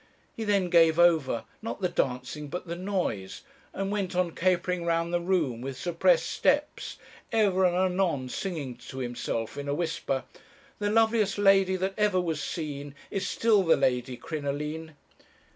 He then gave over, not the dancing but the noise, and went on capering round the room with suppressed steps, ever and anon singing to himself in a whisper, 'The loveliest lady that ever was seen Is still the Lady Crinoline.'